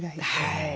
はい。